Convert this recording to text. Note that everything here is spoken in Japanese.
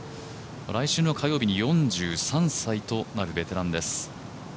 来週の火曜日に４３歳となるベテランです。